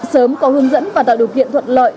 sớm có hướng dẫn và tạo điều kiện thuận lợi